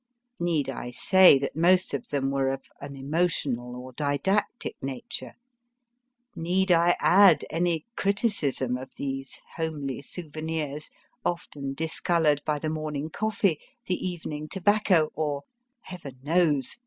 Need I say that most of them were of an emotional or didactic nature ; need I add any criticism of these homely souvenirs, often discoloured by the morning coffee, the evening tobacco, or, Heaven knows